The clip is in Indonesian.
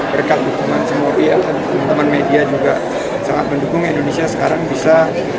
berkat dukungan semua dukungan media juga sangat mendukung indonesia sekarang bisa